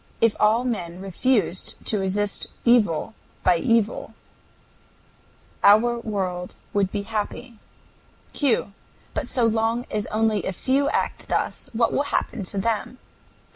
If all men refused to resist evil by evil our world would be happy. Q. But so long as only a few act thus, what will happen to them? A.